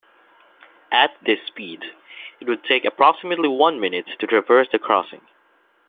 At this speed, it would take approximately one minute to traverse the crossing.